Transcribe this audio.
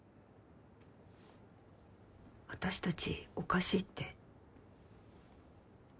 私たちおかしいって。